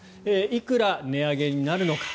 いくら値上げになるのか。